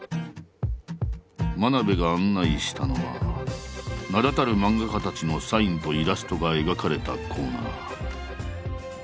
真鍋が案内したのは名だたる漫画家たちのサインとイラストが描かれたコーナー。